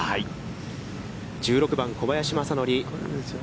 １６番、小林正則。